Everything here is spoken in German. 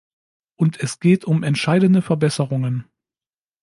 Und es geht um entscheidende Verbesserungen.